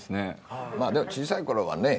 まあでも小さいころはね